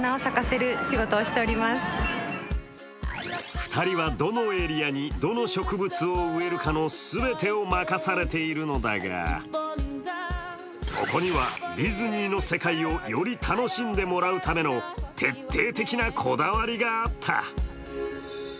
２人はどのエリアにどの植物を植えるかの全てを任されているのだが、そこには、ディズニーの世界をより楽しんでもらうための徹底的なこだわりがあった。